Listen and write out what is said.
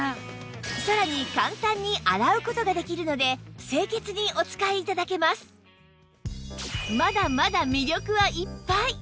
さらに簡単に洗う事ができるので清潔にお使い頂けますまだまだ魅力はいっぱい！